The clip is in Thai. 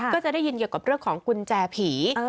ก็จะได้ยินเกี่ยวกับเรื่องของกุญแจผี